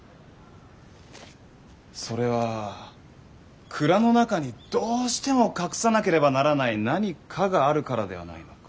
それは蔵の中にどうしても隠さなければならない何かがあるからではないのか。